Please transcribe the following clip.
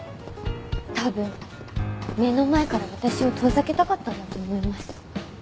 多分目の前から私を遠ざけたかったんだと思います。